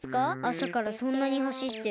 あさからそんなにはしって。